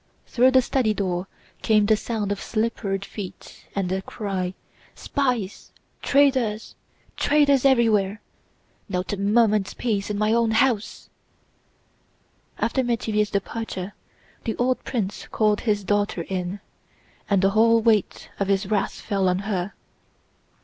Through the study door came the sound of slippered feet and the cry: "Spies, traitors, traitors everywhere! Not a moment's peace in my own house!" After Métivier's departure the old prince called his daughter in, and the whole weight of his wrath fell on her.